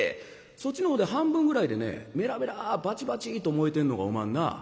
そっちの方で半分ぐらいでねメラメラバチバチと燃えてんのがおまんな？」。